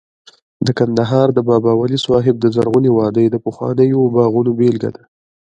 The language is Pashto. د کندهار د بابا ولی صاحب د زرغونې وادۍ د پخوانیو باغونو بېلګه ده